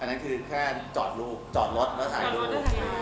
นั่นคือแค่จอดรถแล้วถ่ายรูป